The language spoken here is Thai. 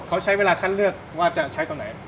เขาใช้เวลาคัดเลือกว่าจะใช้ตรงไหน